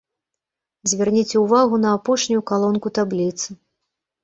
Звярніце ўвагу на апошнюю калонку табліцы.